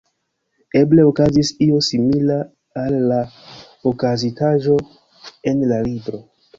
Eble okazis io simila al la okazintaĵo en la libro.